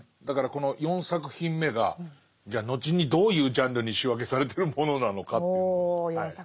だからこの４作品目がじゃあ後にどういうジャンルに仕分けされてるものなのかという。